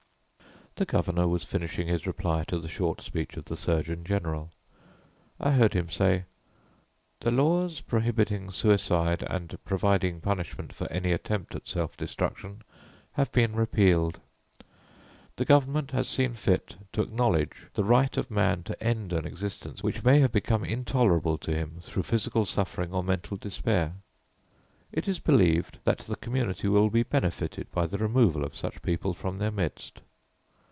The Governor was finishing his reply to the short speech of the Surgeon General. I heard him say: "The laws prohibiting suicide and providing punishment for any attempt at self destruction have been repealed. The Government has seen fit to acknowledge the right of man to end an existence which may have become intolerable to him, through physical suffering or mental despair. It is believed that the community will be benefited by the removal of such people from their midst.